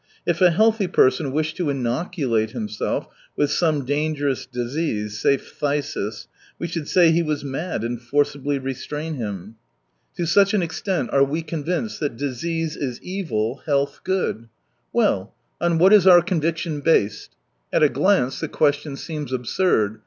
If a healthy person wished to inoculate himself with some dangerous disease — say phthisis— we should say he was mad, and forcibly restrain him. To such an extent are we convinced 224 that disease is evil, health good. Well — on what is our conviction based t At a glance the question seems absurd.